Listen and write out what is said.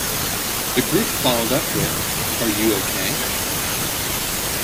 The group followed up with Are You Okay?